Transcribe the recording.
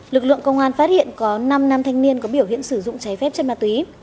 lực lượng công an phát hiện có năm nam thanh niên có biểu hiện sử dụng trái phép chất ma túy